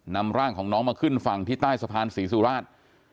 นำร่างของน้องมาขึ้นฝั่งที่ใต้สะพานศรีสุราช